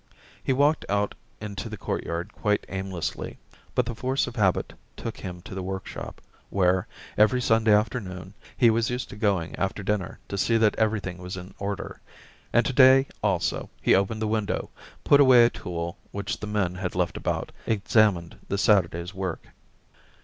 He walked out into the courtyard quite aimlessly, but the force of habit took him to the workshop, where, every Sunday after noon, he was used to going after dinner to see that everything was in order, and to day also he opened the window, put away a tool which the men had left about, examined the Saturday's work.